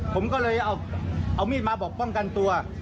ผมก็เลยเอามีดมาบอกป้องกันตัว